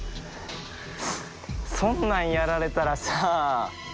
そんなんやられたらさ。